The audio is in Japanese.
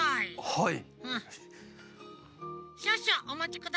はい！